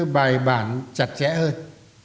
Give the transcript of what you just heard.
bài bản chặt chẽ hơn